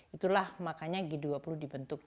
itulah makanya g dua puluh dibentuk